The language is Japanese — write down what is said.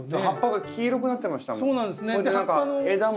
葉っぱが黄色くなってましたもん。